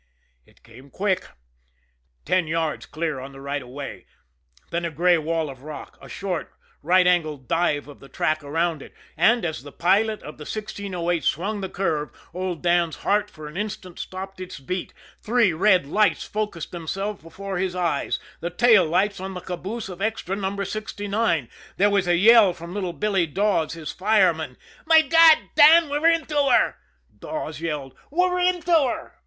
It came quick. Ten yards clear on the right of way, then a gray wall of rock, a short, right angled dive of the track around it and, as the pilot of the 1608 swung the curve, old Dan's heart for an instant stopped its beat three red lights focussed themselves before his eyes, the tail lights on the caboose of Extra No. 69. There was a yell from little Billy Dawes, his fireman. "My God, Dan, we're into her!" Dawes yelled. "We're into her!"